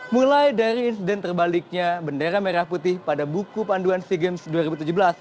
mulai dari insiden terbaliknya bendera merah putih pada buku panduan sea games dua ribu tujuh belas